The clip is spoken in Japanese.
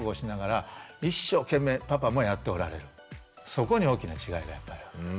そこに大きな違いがやっぱりある。